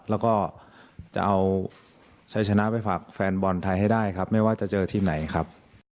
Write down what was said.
แล้วก็จะเอาชัยชนะไปฝากแฟนบอลไทยให้ได้ครับไม่ว่าจะเจอทีมไหนครับ